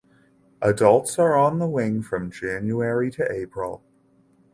Adults are on the wing from January to April.